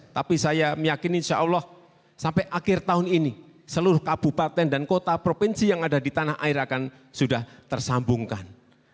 tapi saya meyakini insya allah sampai akhir tahun ini seluruh kabupaten dan kota provinsi yang ada di tanah air akan sudah tersambungkan